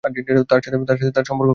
তার সাথে তার সম্পর্ক কেমন?